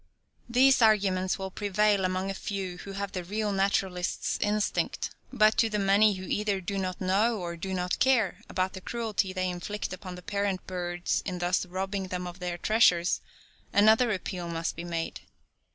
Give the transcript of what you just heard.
These arguments will prevail among a few who have the real naturalist's instinct, but to the many who either do not know, or do not care, about the cruelty they inflict upon the parent birds in thus robbing them of their treasures, another appeal must be made.